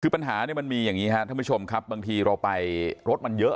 คือปัญหาเนี่ยมันมีอย่างนี้ครับท่านผู้ชมครับบางทีเราไปรถมันเยอะ